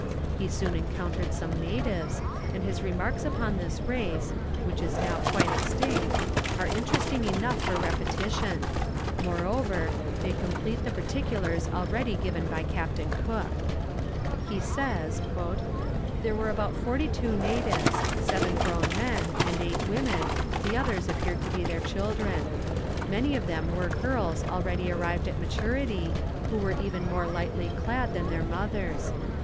He soon encountered some natives, and his remarks upon this race, which is now quite extinct, are interesting enough for repetition; moreover, they complete the particulars already given by Captain Cook. [Footnote 3: Fifth month of the Republican calendar, from 20th January to 20th February.] He says, "There were about forty two natives; seven grown men, and eight women, the others appeared to be their children; many of them were girls already arrived at maturity, who were even more lightly clad than their mothers.